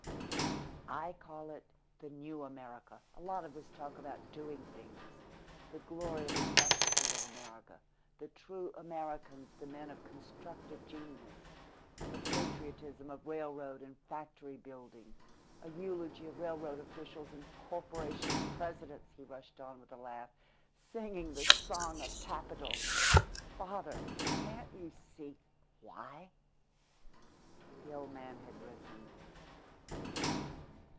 "I call it 'The New America,' a lot of this talk about doing things, the glory of industrial America, the true Americans the men of constructive genius, the patriotism of railroad and factory building, a eulogy of railroad officials and corporation presidents," he rushed on with a laugh. "Singing the song of Capital. Father, can't you see why?" The old man had risen.